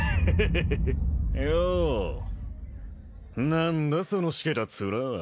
何だそのしけたツラは。